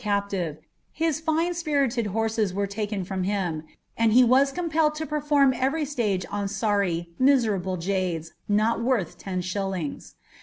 captive, hia nn»> vpiriicd horses were taken rram him, and he was compelled lo perrnrni BTcrT,' stage un sorry, miaerable jades, nol worth ten shillings.